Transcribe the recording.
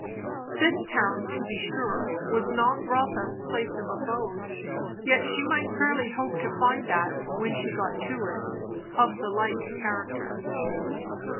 This town, to be sure, was not Rotha's place of abode; yet she might fairly hope to find that, when she got to it, of the like character.